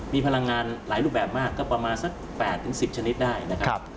มีพลังงานหลายรูปแบบมากก็ประมาณสัก๘๑๐ชนิดได้นะครับ